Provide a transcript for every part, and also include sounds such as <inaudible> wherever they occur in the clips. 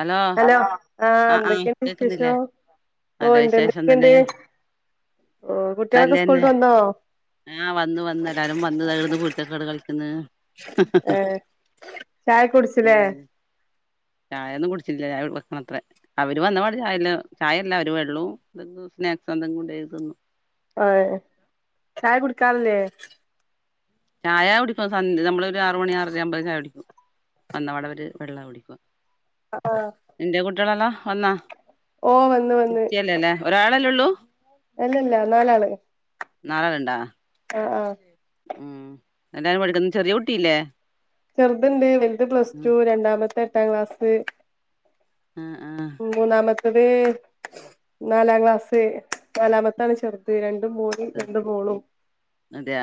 Hello ആ എന്തൊക്കെണ്ട് വിശേഷം ഓ നല്ല ണ്ട് വിശേഷം തന്നെ എന്തൊക്കെണ്ട് ഓ കുട്ട്യേളൊക്കെ നല്ലന്നെ സ്കൂൾട്ട് വന്നോ ആ വന്ന് വന്ന് എല്ലാരും വന്ന് <unintelligible> കളിക്ക്ന്ന് ഏഹ് ചായ കുടിച്ചില്ലേ ചായൊന്നും കുടിച്ചില്ല ചായ വെക്കണത്ര അവര് വന്നപാടെ ചായല്ല ചായല്ല അവര് വെള്ളവും സ്നാക്സ് <unintelligible> ആ ചായ കുടിക്കാറില്ലേ ചായാ കുടിക്കും സന്ധ്യാ നമ്മള് ഒര് ആറ് മണി ആറാരാമ്പേ ചായ കുടിക്കും വന്ന പാടെ അവര് വെള്ള കുടിക്കുക ആഹ് ഇന്റെ കുട്ട്യേളള്ള ഒന്നാ ഓ കുട്ടിയല്ലാല്ലേ ഒരാ തലൊള്ളൂ അല്ലാ അല്ലാ നാലാള് നാളെ ഇടണ്ട ആഹ് ആഹ് നീർന്നില്ലേ ഉം എല്ലാരും പഠിക്കുന്ന ചെറിയ കുട്ടിയില്ലേ ചെറുതെണ്ട് വൽത് പ്ലസ് ആ ടു രണ്ടാമത്തെ എട്ടാം ക്ലാസ് ആ ആ. മൂന്നാമ ത്തത് നാലാം ക്ലാസ് നാലാമത്താണ് ചെറുത് രണ്ട് മോന് രണ്ട് മോളും അതെയ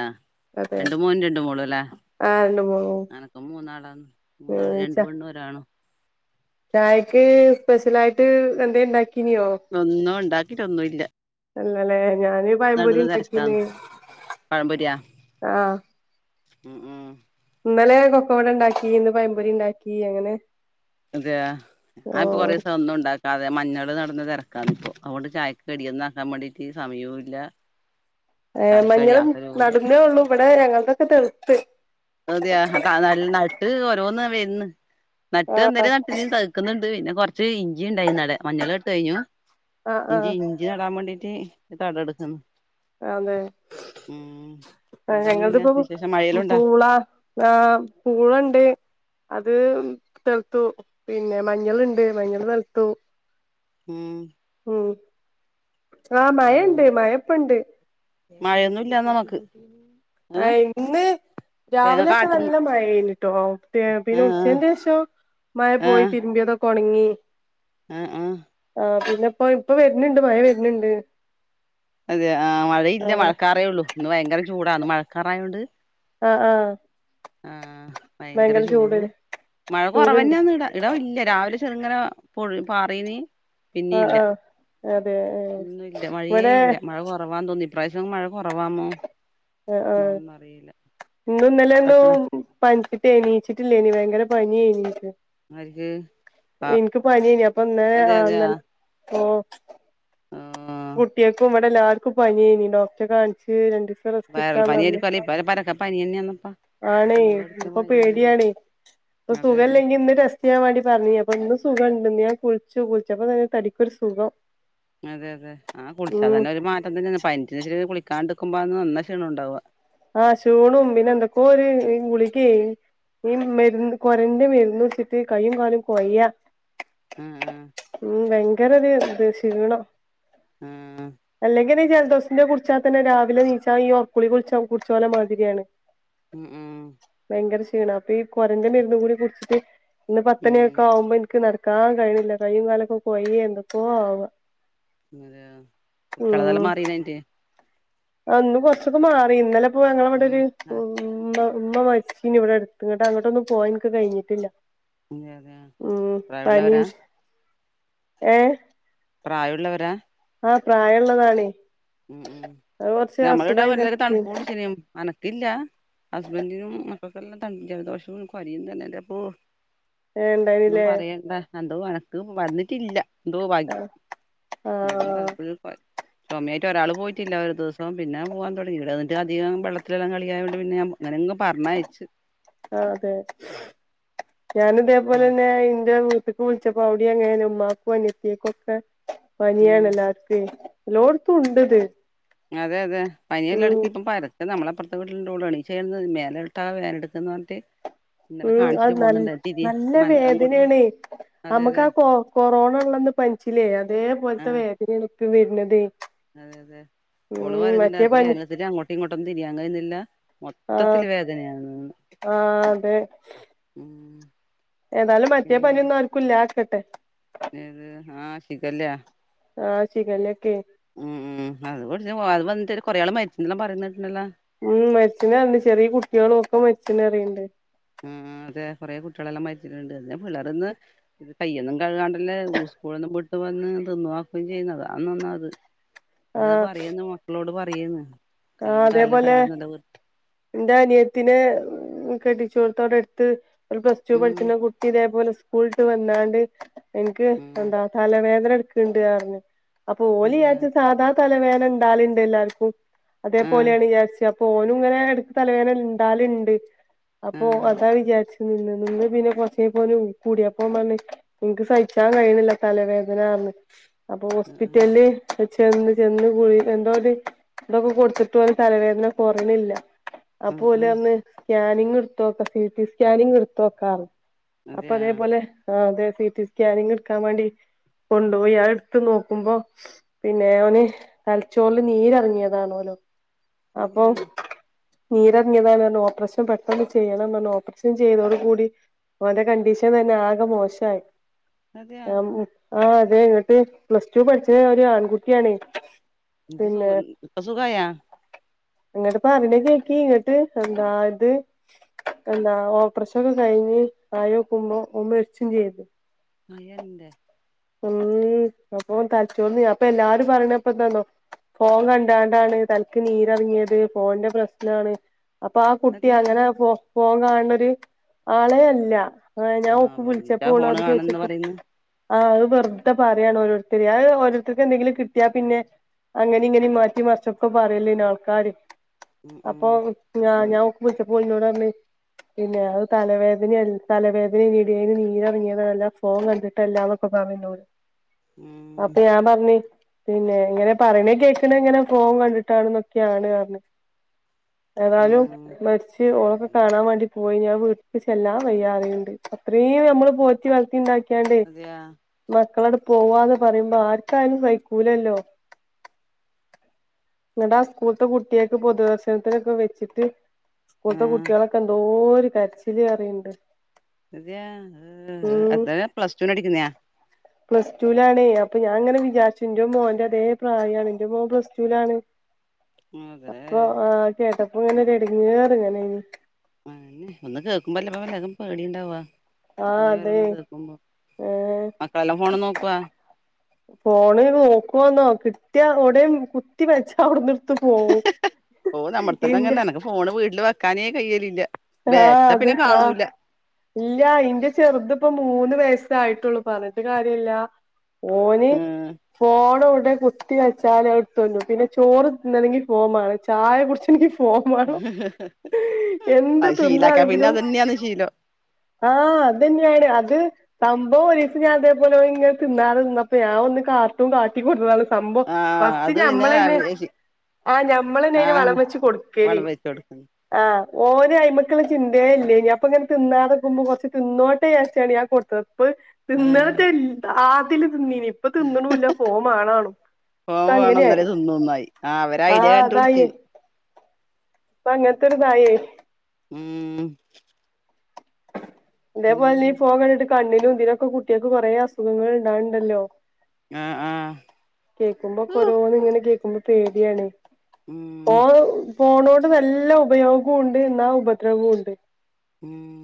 അതെ രണ്ട് മോനും രണ്ട് മോളും അല്ലേ ആഹ് രണ്ട് മോളും അനക്ക മൂന്നാളാണ് മൂന്നാൾ രണ്ട് പെണ്ണും ഒരാണും ചായക്ക് സ്പെഷ്യല് ആയിട്ട് എന്തണ്ടാക്ക ഒന്നും ഉണ്ടാക്കിട്ടൊന്നും ഇല്ല ഇല്ലലേ ഞാന് പഴംപൊരി ഉണ്ടാക്കീന്ന്‌ ആഹ അ ആഹ ഇന്നലെ കൊക്കവട ഉണ്ടാക്കി ഇന്ന്‌പഴം പൊരി ഉണ്ടാക്കി അങ്ങനെ അതെ ഓ ആ ഇപ്പൊ കൊറേ ദിവസം ഒന്നും ഉണ്ടാക്കാതെ മഞ്ഞൾ അവിടെ നടന്ന തിരക്കാണ് ഇപ്പോ അതുകൊണ്ട് ചായക്ക കടിയൊന്നും ആക്കാൻ വേണ്ടീട്ട് സമയവും ഇല്ല ഏ മഞ്ഞളും നടുന്നേ ഉള്ളൂ ഇവിടെ ഞങ്ങൾതൊക്കെ തെഴുത്ത് ഇന്ന് നട്ട് ആഹ് എന്തേരം നട്ടിന് തഴുക്കുന്നുണ്ട് പിന്നെ കുച്ച് ഇഞ്ചി ഉണ്ടായി നട മഞ്ഞൾ ഇട്ട് കഴിഞ്ഞു ആഹ് ഇഞ്ചി ആഹ് ഇഞ്ചി നടാൻ വേണ്ടിട്ട് റ്റി തടം എടുക്കുന്നു അതെ ഉം ആ എന്താന്ന് ഞങ്ങളത് പിന്നെ ഇപ്പൊ വിശേഷം മഴയെല്ലാം ഉണ്ടാ പൂള ആ പൂളണ്ട് അത് തെഴുത്തു പിന്നെ മഞ്ഞൾഇണ്ട് മഞ്ഞൾ തെഴുത്തു ഉം ഉം ആഹ ആ മഴണ്ട് മഴഇപ്പണ്ട് മഴയൊന്നും ഇല്ല <inaudible> ആ ഇന്ന് തേങ്ങ രാവിലെ ഒക്ക കാട്ടിൽ നല്ല മഴ ആയിന്നുട്ടോ പിന്നെ ആഹ് ഉച്ചന്റെ ശേഷം മഴ പോയി തിരുമ്പിയതൊക്കെ ഒണങ്ങി ആഹ ആഹ ആ പിന്നെ ഇപ്പ ഇപ്പൊ വരുന്നുണ്ട് മഴ വരുന്നുണ്ട് അതെ ആ മഴയില്ല ആ മഴക്കറേള്ളൂ ഇന്ന്‌ ഭയങ്കര ചൂടാണ് മഴക്കാറായോണ്ട് ആഹ ആഹ ആഹ ഭയങ്കര ചൂടും മഴ ചൂടുണ്ട് കൊറവന്നെയന്ന ഇട ഇടവല്ല രാവിലെ ചെറങ്ങനെ പൊ പാറീനി പിന്നെ ആ ഇല്ല ആ അതെ ഒന്നുല്ല മഴയേ ഇവിടെ ഇല്ല മഴ കുറവാന്ന് തോന്നി പ്രാവശ്യം മഴ കുറവാമോ ആ ആ എന്നാന്നും അറിയില്ല ഇന്നുന്നല്ലേ ഭക്ഷണം പട്ട് എനീച്ചിട്ടില്ല ഇനി ഭയങ്കര പനിയെനി അവർക്ക് ഇന്ക് പനിയേനി അപ്പൊ ഇന്നാ അതെ അതെ ആഹ് ഓ ആഹ് കുട്ടികൾക്കും ഇവിടെ എല്ലാർക്കും പനേ നീ ഡോക്ടറെ കാണിച്ച് രണ്ട് വയറൽ ക്കാൻ പറഞ്ഞു പനിയായിരിക്കും അല്ലേ ഇപ്പ പരക്കെ പനിയന്നെയാന്നപ്പ ആണേ എല്ലായിടത്തും ഇപ്പൊ പനിയാണ് പേടിയണേ ഇപ്പൊ അതെ അതെ തുകല്ലെങ്കി ഇന്ന് രസ ചെയ്യാൻ വേണ്ടി പറഞ്ഞ അപ്പൊ ഇന്ന് സുഖം ഉണ്ട്ന്ന് ഞാൻ കുൾച്ചു കുൾ ച്ചപ്പൊ തന്നെ തടിക്കൊരു സുഖം അതെ അതെ ആ കുളിച്ചാത ഉം തന്നെ ഒരു മാറ്റം തന്നെയന്നന്ന് പനിവെച്ച കുളിക്കാണ്ട് നക്ക്പോ നല്ല ക്ഷീണം ഉണ്ടാവുക ആ ശൂണും പിന്നെ എന്തൊക്കോ ഒരു ഈ ഗുളിക്ക് ഈ മരുന്ന് കൊരന്റെ മരുന്ന് വെച്ചിട്ട് കൈയും കാലും കൊയ്യ ആ ആ ഉം ബ ഭയങ്കര ര്ത് ശീണം ആ അല്ലെങ്കി ന്നെ ജല ന്ന് കുടിച്ചാൽ തന്നെ രാവിലെ നീച്ച ഈ ഓർക്കുളിക കുളിച്ചാവും പുട്ച്ചോല മാതിരിയാണ് ഉം ഉം ഭയങ്കര ക്ഷീണ കുറൻന്തന്റെ മേ മൂടെ കുർച്ച ഇന്ന് പത്തണിയൊക്കെ ഉം ആവുമ്പോ ഇന്ക് നട കാ കഴിഞ്ഞില്ല കയ്യ കാലക്ക കൊയ്യ എന്തക്കോ ആവ അതെയ കുട്ടികളതെല്ലാം മാറനയിന്റെ അന്ന് കൊറച്ചൊക്കെ മാറി ഇന്നലെ ഇ ഞങ്ങള അവിടെ ഉം ഒരു ആ ഉമ്മ മരിച്ചീനി ഇവിടെ അടുത്ത് ന്നട്ട് അങ്ങോട്ടൊന്നും പോവാൻ ഇൻക്ക് കഴിഞ്ഞില്ല അതെ അതെ പ്രായള്ളവരാ ഏ പ്രായമുള്ളവരാ ആഹ പ്രായള്ളതാണേ അത് കൊറച്ച് ഞമ്മുടെ ഇട അസുഖായി വല്ലരും തണുപ്പ കെടക്കേനി കട ശനും അനക്കല്ല ഹസ്ബൻഡിനും ഇപ്പൊക്കെല്ലാം ത ജലദോഷവും കൊരി തന്നെ അപ്പൊ ഏ ഒന്നും ഇണ്ടായിനില്ലേ പറയണ്ട അ അത വനക്ക് വന്നിട്ടില്ല ന്തോ ആ ഭാഗ്യം ആ വ താല്പുര് പോ സമയ മറ്റ ഒരാൾ പോയിട്ടില്ല ഒരു ദിവം പിന്നെ പോവാാൻ തുടങ്ങി ഇവിടെന്നി് അധികം വെള്ളത്തിലെല്ലാം കളിയായണ്ട് പിെ അങ്ങനങ്കും പറഞ്ഞയച്ചച്ച് ആ അതെ ഞാാന ഇതേപോലെ ഉം തന്നെ ഇന്റെ ട്ക്ക് വിൾച്ചപ്പപ്പോ അവിടിം അങ്ങനെന്നെ ഉമ്മാക്കും അനിയത്തിയേക്കാെക്കെ ഉം പനിയാണെല്ലാര്ക്കെ എല്ലോട്ത്തുണ്ട്ത് അതെ അതെ പനി എല്ലായിടത്തും പരക്ക നമ്മളെ പ്രാ ഇ വീട്ടിള്ളണീ ചേർന്ന് മേല ഇട്ടാ വേൻ എടുക്കന്ന് പറഞ്ഞട്ട് ഉം അത് ന നല്ല അങ്ങോട്ട് വേദനേണേ അതെ അതെ അമ്മക്കാ കൊ കൊറോണ ഉള്ളന്ന് പൻച്ചില്ലേ അതേ പോലത്തെ ആഹ് വേദനേണെ <unintelligible> വര്ണതേ അതെ അതെ ഓള് പറയ്ന്ന്ണ്ടായ് ക്ക് പനി വേദനട്ത്ത്ട്ട് അങ്ങോട്ടും ഇങ്ങോട്ടാെന്നും തിരിയാൻ കയ്യ്ന്നില്ല മൊത്തത്തില് വേദനയാണ് ആ അതെ ഉം ഏതാലും മറ്റേ പിന്നെന്താ പനിയൊന്നും ആർക്കുംല്ലാക്കട്ടെ ഏത് ആഹ ശിഖല്ലയാ ആ ശിഖല്ലാെക്കെ ഉം ഉം അത് <unintelligible> ച്ച് <unintelligible> വന്നിട്ട് കൊറേയാള് മരിച്ച്ന്നും പറയ്ന്നേട്ട്ണ്ടല്ലാ ഉം മരിച്ചിനർഞ്ഞ് ചെറീ കുട്ട്യേളും ഒക്കെ മരിച്ച്ണറീണ്ട് ആ അതെ കാെറേ കുട്ടികളെല്ലാം മരിച്ചിട്ട്ണ്ട് <unintelligible> പുല്ലേറ്ന്ന് ഇത് കയ്യൊന്നും കഴുകാണ്ടല്ലേ ഉസ്കൂള്ന്ന് ബ് ഇ പറഞ്ഞതൊന്നും അപ്പം ചെയ്യ്ന്നത അന്നന്നാ അത് അതാ പറയ്ന്ന് മക്കളോട് പ റയ്ന്ന് ആ അതേപോലെ എന്റെ അനിയത്തിനെ കെടി ച്ചോട്ത്തവ്ടെട്ത്ത് ഒരു പ്ലസ് ടു ഉം പഠിച്ച്ണ കുട്ടി ഇതേ പോലെ സ്കൂൾട്ട് വന്നാണ്ട് എൻക്ക് ഉം എന്താ തലവേദനട്ക ണ്ട് അർഞ്ഞ് അപ്പൊ അതെയാ ഓലിയാര്ച്ചെ സാധാ തലവേ ണ്ടാല്ണ്ട് എല്ലാര്ക്കും ആ അതേപോലെയാണ്യാര്ച്ച് അ പ്പോനുംങ്ങനെ എടക്ക് തലവേദനണ്ടാല്ണ്ട് ആ അപ്പൊ അതാ വിചാര്ച്ച് നിന്ന് നിന്ന് പിന്നെ കൊറച്ചേയ്ഞ്ഞപ്പം ഓന് ഊക്ക് കൂടിയപ്പോൻ പറ്ഞ്ഞ് ഇൻക്ക് സഹിച്ചാൻ കഴിയ്ണില്ല തലവേദനാർഞ്ഞ് അപ്പൊ ആ ഹോസ്പിറ്റൽല് ചെന്ന് ചെന്ന് കുഴി എന്തോര് തൊക്കെ കൊടുത്തിട്ട് ഓന് തലവേദന കാെറിണില്ല ആ പോലെ അന്ന് സ്കാനിങ് എടുത്ത് നോക്കാം സി ടി സ്കാനിങ് എടുത്ത് നോക്കാം അപ്പൊ അതെയാ അതേപോലെ ആ അതെ സിറ്റടി സ്കാനിങ് എടുക്കാൻ വേണ്ടി കൊണ്ടുപോയി ആ എടുത്ത് നോക്കുമ്പോ പിന്നെ അവന് തലച്ചോറില് നീരറങ്ങിയതാ താണോലൊ അതെയാ നീരറങ്ങിയതാണ് പറഞ്ഞ് ഓപ്പറേഷൻ പെട്ടെന്ന് ചെയ്യണംന്ന് പറഞ്ഞ് ഓപ്പറേഷൻ ചെയ്തോടു കൂടി ഓന്റെ കണ്ടീഷൻ തന്നെ ആകെ മോശമായി അതെയാ ആ ആഹ് അതെ ഇങ്ങിട്ട് പ്ലസ് ടു പഠിച്ചത് ഒരു ആൺകുട്ടിയാണ് <unintelligible> പ്പ സുഖായാ അങ്ങട്ടിപ്പ അറിനൊക്ക നക്കി ഇങ്ങട്ട് എന്താ ഇത് എന്താ ഓപ്പ്രഷൻ ഒക്കെ കഴിഞ്ഞ് ആയോ കുമ്പോ മരിച്ചും ചെയ്ത് മയൻണ്ട് ഉം അപ്പൊ തലച്ചോർന്ന് അപ്പൊ എല്ലാരും പറഞ്ഞപ്പന്താന്നോ ഫോൺ കണ്ട താണ്ടാണ് തലക്ക് നീരറങ്ങിയത് ഫോണന്റെ പ്രശ്നാണ് അപ്പൊ ആ കുട്ടി അതെയാ അങ്ങനെ പോ ഫോൺ കാണ് ണൊരു ആളെയല്ല ആഹ് ഞാൻ ആ ഓക്ക് വിളിച്ചപ്പ എന്നിട്ടാ ഫോണ് ഓളോട് കാണന്ന് ചോദിച്ചപ പറയുന്ന് ആ അത് വെറുതെ പറയാണ് ഓരുത്തർ അത് ഓരോരുത്തർക്ക് എന്തെങ്കിലും കിട്ടിയാ പിന്നെ അങ്ങനെ ഇങ്ങനെ റ്റി മറച്ചക്കെ പറയല്ലോ ഇ ആൾക്കാര് ഉം ഉം അപ്പൊ ഞാൻ വിളിച്ചപ്പ ഓളിന്നോട് പറഞ്ഞു പിന്നെ അത് തലവേദന തലവേദനാണെടി നീരറങ്ങിയല്ല ഫോം കണ്ടിട്ട് എല്ലാംൊക്കെന്നോട് ഉം അപ്പേ ഞാൻ പറഞ്ഞി പിന്നെ എങ്ങനെ പറയ കേക്കണ അങ്ങനെ ഫോൺ കണ്ടിട്ടാണ്ന്നൊക്കെയാണ് പറഞ്ഞ് ഏതായാലും ഉം മരിച്ച് ഓളൊക്കെ അതന്നെ കാണാൻ വേണ്ടി പോയിഞ്ഞാൽ വിളപ്പിച്ചെല്ലാാം വയ്യാതെയുണ്ട് അത്രേയും നമ്മള് പോറ്റി വളർത്തി ഉണ്ടാക്കി അതെയാ മക്കളടു പോവാന്ന് പറയുമ്പോ ആർക്കായാലും സഹിക്കൂലല്ലോ ന്നട്ട് ആ സ്കൂളത്തെ കുട്ട്യാൾക്കൊക്കെ പൊതുദർശനത്തിനൊക്കെ വെച്ചിട്ട് കുത്ത ആ കുട്ടികളൊക്കെ എന്തോ കരച്ചില് അറിയണ്ട് ഇത അത പ്ലസ് ടൂ ന് അടിക്കുന്നയാ പ്ലസ് ടുൂലാണെ അപ്പൊ ഞാൻങ്ങനെ വിചാരിച്ചു എന്റെ മോന്റെ അതേ പ്രായമാണ് എന്റെ മോൻ പ്ലസ്സ ടുലാണ് അതെ അപ്പൊ ആന് കേട്ട അപ്പങ്ങനെ രട്ങ്ങേറ് ങ്ങനെ ഒന്ന് കേൾക്കുമ്പോ അല്ലപ്പല്ലതും പേടിിയുണ്ടാവവാ ആ ഇങ്ങനെയ അതെ അവരോന്ന് കേൾക്കുമ്പോ ഏ മക്കളെല്ലാം ഫോണ് നോക്കവാ ഫോണ് നോക്കുവന്നോ കിട്ടിയ ഉവിടയും കുത്തി വെച്ച അവിടുന്ന് ഓ നമ്മുടെ തന്നെങ്ങനെ ഇന്റെ നിനക്ക് ഫോണ് വീട്ടില് വെക്ക തനേ കയ്്യലില്ല ആഹ അത് ആഹ ഇല്ല ഇന്റെ ചെറുത്പ്പ മൂന്ന് വയ ആായിട്ടുള്ളൂ പറഞ്ഞട്ട കാര്യമല്ല ഓന് ഉം ഫോണ് വിടെ കുത്തി കഴച്ചാ അവിടെ തന്നു പിന്നെ ചോറ്ന്നണെങ്കിൽ ഫോമാണ് ചായെ കുറിച്ചുെങ്കിൽ പമാണോ എന്ത് അത് ശീലാക്കാ പിന്നെ എന്താണെങ്കിലും അതന്നെയാന്ന് ശീലം ആഹ അത് തന്നെയാണ് അത് സംഭവം ഒീ ഞാ അതേപലെ ഇ തിന്നാറ് തിന്ന അപ്പൊ ഞാൻ ഒന്ന് കാട്ടും കാട്ടി കൊടു സംഭവം ആഹ് ഫസ്റ്റ് അത് പിന്നെ ഞമ്മള തന്നെ ആഹ ഞമ്മള തന്നെ അന് ആഹ് വളം വെച്ച് കൊടുക്കല വളം വെച്ച് കൊടുക്കുന്നു ആഹ ഓൻ അയ്മക്ക് ചിന്തയ ഇല്ലേ ഇനി അപ്പൊ ഇങ്ങന ന്നാതെുമ്പോ കുറച്ച് തിന്നട്ട ചച്ചയാണ് ഞാ കൊടുത്തത് അപ്പ ആഹ് പിന്നത്തെ ആ <unintelligible> തിന്ന ഇപ്പ തിന്നണില്ല ഫോ ആണണോ ഫോൺ ഇ വേണം അങ്ങനെയായി ഇന്നലെ തിന്നുന്നായി ആഹ് അവര് ആ ഐഡിയ കണ്ടുപിടിച്ച് അതായി അങ്ങനത്തെ തായ ഉം അതേപോലെ നീ പിന്നെന്താണ് പോകണ്ട കണ്ണിനും ന്തിനൊക്കെ കുട്ടികൾക്ക് കൊറെേ അസുഖങ്ങൾ ഇണ്ടാുണ്ടല്ലോ ആഹ് ആഹ് കേക്കുമ്പോ കൊരോന്ന് ഇങ്ങനെ കേൾക്കുമ്പോ പേടിയാണ് ഫോ ഉം ഫോണോട് നല്ല ഉപയോഗവും ഉണ്ട് എന്നാ ഉപദ്രവവും ഉണ്ട് ഉം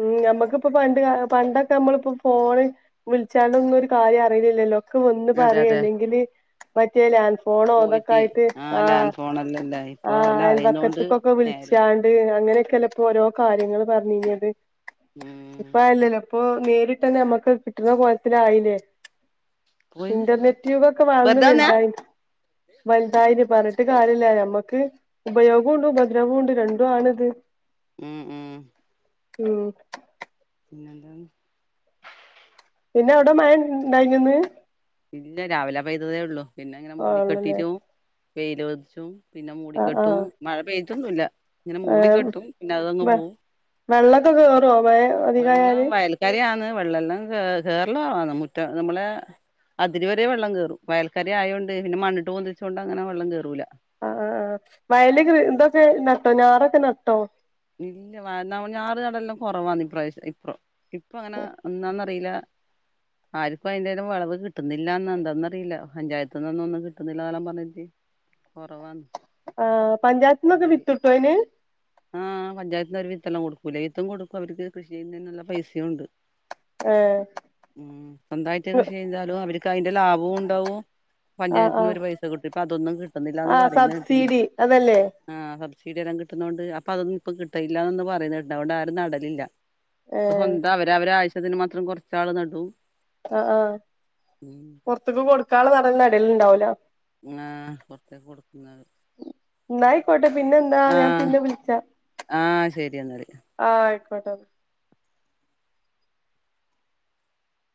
ഉം അ നമുക്കിപ്പ പണ്ട് പണ്ടൊക്കെ നമ്മളിപ്പോ ഫോണ് വിളിച്ചാണ്ടൊന്നും ഒരു കാര്യം അറിയില്ലില്ലല്ലോ ഒന്ന് അതെ പറയും അതെ അല്ലെങ്കില് മറ്റേല്ല അൻ <unintelligible> പോണോ അതൊക്കെ പോയിട്ട് ആയിട്ട് ആ ആ് ലാൻഡ് ഫോണല്ലല്ലേ ആ ഇപ്പൊ എല്ലാം അറിയുന്നോണ്ട് അയൽവക്കത്തക്കൊക്കെ നേരെ വിളിച്ചാണ്ട് അങ്ങനെ ചിലപ്പോൾ ഓരോ കാര്യങ്ങളും പറണ അത <unintelligible> ഉം <unintelligible> അപ്പൊ നേരിട്ട്ന്നെ നമ്മക്ക് കിട്ടുന്ന കോലത്തില ആയില്ലേ പോയി ഇന്റർനെറ്റ് യുഗൊക്കെ വളർന്നു വെറുതെ വന്നാ വലുതായി <unintelligible> വലുതായിന് പറഞ്ഞിട്ട് കാരില്ല ഞമ്മക്ക് ഉപയോഗം ഉണ്ട് ഉപദ്രവവും ഉണ്ട് രണ്ടും ആണിത്. ഉം ഉം ഉം പിന്നത <unintelligible> പിന്നെ അവിടെ മയ ഉണ്ടായിന്ന് <unintelligible> ഇല്ല രാവിലെ പൈതതേ ഉള്ളു പിന്നെ അങ്ങനെ മൂടി ആണല്ലേ കെട്ടിട്ട <unintelligible> വെയിരോച്ചും <unintelligible> പിന്നെ ആഹ് മൂടിക്കെട്ടും ആഹ് മഴ പെയ്തൊന്നല്ല ഇങ്ങനെ മൂടി ഏഹ് കെട്ടും പിന്നെ അതൊങ്ങ് വെ പോകവും വെള്ളൊക്കെ കേറുവോ മഴ വെള്ളം അധികായാല് വയൽക്കാരി ആന്ന് <unintelligible> വെള്ളം എല്ലാം കേരളന്ന മുറ്റം നമ്മളെ <unintelligible> അതിര് വരെ വെള്ളം കറും വയൽക്കാെ ആയത്ണ്ട്ന്നെ മണ്ണിട്ട് പന്തിച്ചുകൊണ്ട് അങ്ങനെ വെള്ളം കയരുല്ല. ആ ആ ആ വയല് എന്തൊക്കെ നട്ടോ ഞാറൊക്കെ നട്ടോ ഇല്ല വ ഞാറ് നടല്ലാം കുറവാന്ന് ഇ പ്രാവശ്യം ഇപ്പം ഇപ്പൊ അങ്ങനെ ഒന്നാന്നറിയില്ല ആർക്കും അയിന്റേലും വിളവ് കിട്ടുന്നില്ലന്ന് എന്താന്നറിയില്ല പഞ്ചായത്തിനോന്നും ഒന്നും കിട്ടുന്നില്ലാം പറഞ്ഞിട്ട് കുറവാന്ന് ആ പഞ്ചാത്മക നടല് വിത്ത്ട്ടോ അയിന് ആഹ് പഞ്ചായത്തിന്ന് അവര് വിത്തെല്ലാം കൊടുക്കൂലെ വിത്തും കൊടുക്കും അവർക്ക് കൃഷി ചെയ്യുന്നതിനുള്ള പൈസയും ഉണ്ട് ഏഹ് ഉം സ്വന്തായിട്ട കൃഷി ചെയ്താലും അവര് അതിന്റെ ലാഭവും ഇണ്ടാവും ആഹ് പഞ്ചായത്തിന് ആഹ് ഒരു പൈസ കിട്ടിപ്പ അതൊന്നും കിട്ടുന്നില്ലാന്ന് ആഹ് പറയുന്ന കേട്ടിനി സബ്സിഡി അതല്ലേ ആഹ് സ സീഡില്ലാം കിട്ടുന്നൊണ്ട് അപ്പ അതൊന്നും ഇപ്പ കിട്ടനില്ലാന്ന് പറയുന്നേട്ട് അവിടാരും നടലില്ല ഏഹ് സ്വന്തം അവര് അവരാ തിന് മാത്രം കുറച്ചാള് നടൂം ആ ആഹ് പുറത്തക്ക് കൊടുക് ക്കാള് നടേൽൻ്റെ ഇടേലുണ്ടാവല്ലോ ആ പുറത്തേക്ക് കൊടുക്കുന്നത് ന്നായിക്കോട്ടെ പിന്നെ എന്താ ഞാൻ പിന്നെ വിളിച്ചാ ശരിയാണ് ആ അയ്കോട്ടെ ന്നാ